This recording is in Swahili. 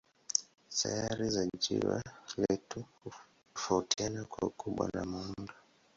Sayari za jua letu hutofautiana kwa ukubwa na muundo.